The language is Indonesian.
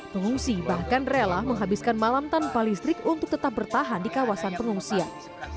pengungsi bahkan rela menghabiskan malam tanpa listrik untuk tetap bertahan di kawasan pengungsian